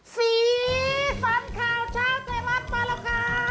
สีสันข่าวเช้าไทยรัฐมาแล้วค่ะ